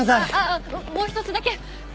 あっもう一つだけ！